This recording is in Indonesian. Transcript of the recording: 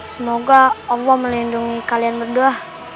semoga allah melindungi kalian berdua